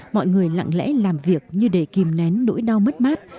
mọi người lặng lẽ làm việc như để kìm nén nỗi đau mất mát